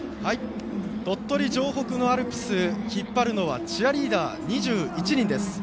鳥取城北のアルプスを引っ張るのはチアリーダー２１人です。